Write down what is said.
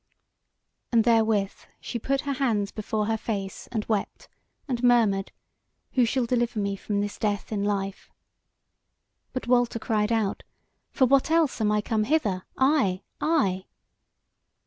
And therewith she put her hands before her face, and wept, and murmured: "Who shall deliver me from this death in life?" But Walter cried out: "For what else am I come hither, I, I?"